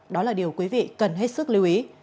đó là điều quý vị cần hết sức lưu ý